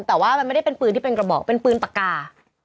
แต่ว่ามันไม่ได้เป็นปืนที่เป็นกระบอกเป็นปืนปากกา